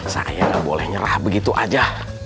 saya nggak boleh nyerah begitu aja